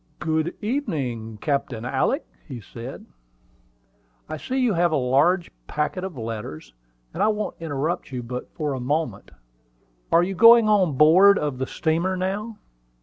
"Good evening, Captain Alick," said he. "I see you have a large packet of letters, and I won't interrupt you but for a moment. Are you going on board of the steamer now?"